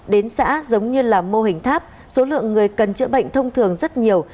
đến xã giống như là mô hình tháp số lượng người cần chữa bệnh thông thường rất nhiều